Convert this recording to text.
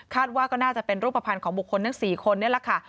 ว่าก็น่าจะเป็นรูปภัณฑ์ของบุคคลทั้ง๔คนนี่แหละค่ะ